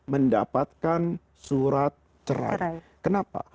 mendapatkan surat cerai kenapa